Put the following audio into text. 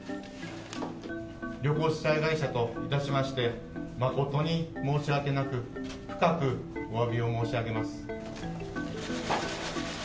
旅行主催会社といたしまして、誠に申し訳なく、深くおわびを申し上げます。